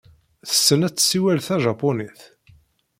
Tessen ad tessiwel tajapunit.